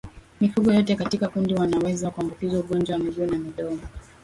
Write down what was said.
Mifugo yote katika kundi wanaweza kuambukizwa ugonjwa wa miguu na midomo